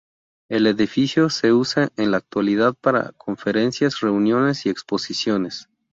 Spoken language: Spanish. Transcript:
El edificio se usa en la actualidad para conferencias, reuniones y exposiciones.